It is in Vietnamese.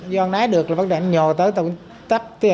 động náy được là bắt đầu ảnh nhò tới tổ công tác